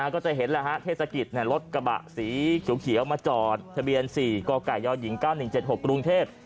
ก็จะเห็นแล้วฮะเทศกิจรถกระบะสีเขียวมาจอดทะเบียน๔กกยหญิง๙๑๗๖กรุงเทพ